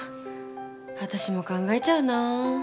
わたしも考えちゃうな。